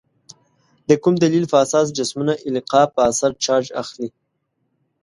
د کوم دلیل په اساس جسمونه القا په اثر چارج اخلي؟